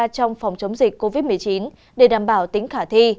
trong phòng chống dịch covid một mươi chín để đảm bảo tính khả thi